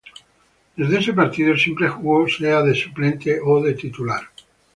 Desde ese partido siempre jugó sea de suplente o de titular.